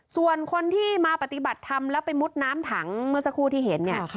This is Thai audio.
ส่วนคนที่มาปฏิบัติธรรมแล้วไปมุดน้ำถังเมื่อสักครู่ที่เห็นเนี่ย